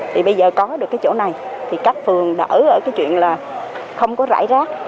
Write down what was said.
thì bây giờ có được cái chỗ này thì các phường đỡ ở cái chuyện là không có rải rác